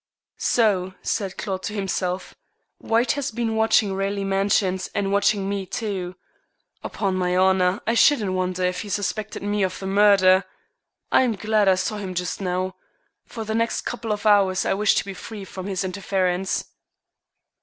"So," said Claude to himself, "White has been watching Raleigh Mansions, and watching me too. 'Pon my honor, I shouldn't wonder if he suspected me of the murder! I'm glad I saw him just now. For the next couple of hours I wish to be free from his interference."